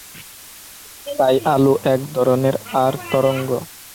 তাই, আলো এক ধরনের আড় তরঙ্গ।